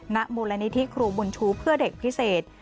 ณมูลนิธิครูบุญชูเพื่อเด็กพิเศษ